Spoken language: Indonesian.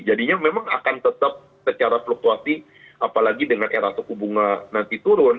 jadinya memang akan tetap secara fluktuatif apalagi dengan era suku bunga nanti turun